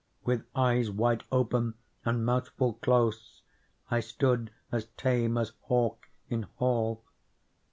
With eyes wide open and mouth full close, I stood as tame as hawk in hall.